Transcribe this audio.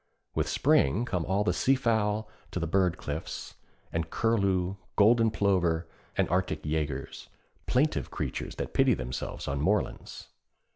With spring come all the sea fowl to the bird cliffs, and curlew, golden plover, and Arctic jaegers, 'plaintive creatures that pity themselves on moorlands.'